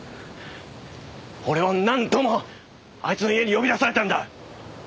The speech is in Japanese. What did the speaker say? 俺は何度もあいつの家に呼び出されたんだ。